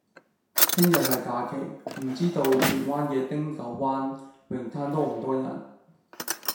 聽日係假期，唔知道荃灣嘅汀九灣泳灘多唔多人？